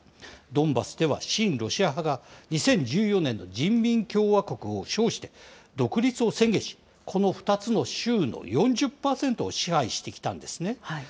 ドンバスでは親ロシア派が２０１４年の人民共和国を称して、独立を宣言し、この２つの州の４０％を支配してきたんですね。